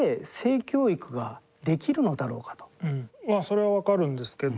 まあそれはわかるんですけど。